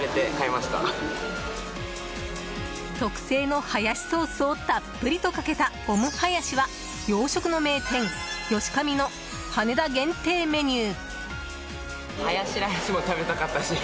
特製のハヤシソースをたっぷりとかけたオムハヤシは洋食の名店ヨシカミの羽田限定メニュー。